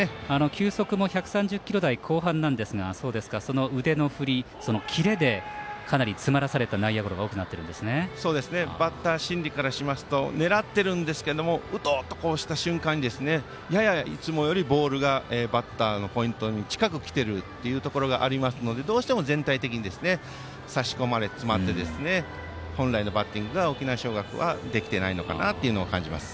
球速も１３０キロ台後半ですがその腕の振り、キレでかなり詰まらされた内野ゴロがバッター心理からすると狙ってるんですけれども打とうとした瞬間にいつもよりボールがバッターのポイントに近くきてるというところがありますのでどうしても全体的に差し込まれ、詰まって本来のバッティングが沖縄尚学はできてないのかなと感じます。